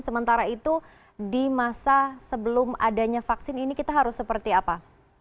sementara itu di masa sebelum adanya vaksin ini kita harus seperti apa